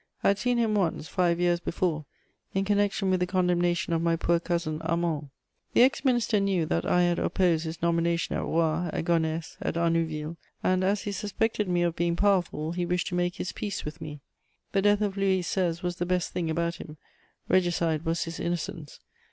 I had seen him once, five years before, in connection with the condemnation of my poor Cousin Armand. The ex minister knew that I had opposed his nomination at Roye, at Gonesse, at Arnouville; and, as he suspected me of being powerful, he wished to make his peace with me. The death of Louis XVI. was the best thing about him: regicide was his innocence.